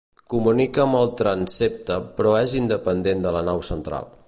Comunica amb el transsepte però és independent de la nau central.